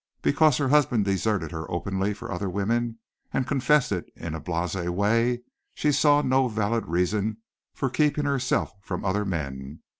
Because her husband deserted her openly for other women and confessed it in a blasé way she saw no valid reason for keeping herself from other men.